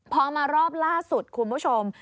พอมารอบล่าสุดคุณผู้ชม